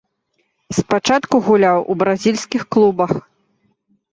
Спачатку гуляў у бразільскіх клубах.